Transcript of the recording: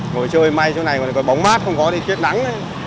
ngồi chơi may chỗ này còn còn bóng mát không có thời tiết nắng